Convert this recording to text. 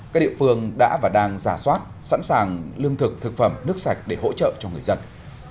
các địa phương đã và đang giả soát sẵn sàng lương thực thực phẩm nước sạch để hỗ trợ cho người dân